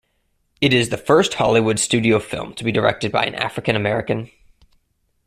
It is the first Hollywood studio film to be directed by an African American.